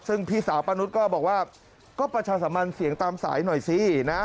ซึ่งพี่สาวป้านุษย์ก็บอกว่าก็ประชาสัมพันธ์เสียงตามสายหน่อยสินะ